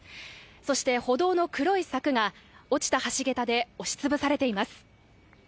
そして歩道の黒い柵が落ちた橋桁で押しつぶされています。